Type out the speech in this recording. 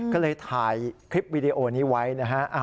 ก็เลยถ่ายคลิปวิดีโอนี้ไว้นะฮะ